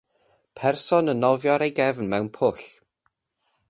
Person yn nofio ar ei gefn mewn pwll.